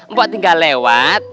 mbak tinggal lewat